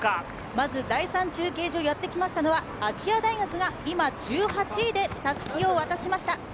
まず第３中継所、やってきましたのは亜細亜大学が今１８位で襷を渡しました。